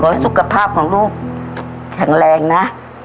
สุขภาพของลูกแข็งแรงนะ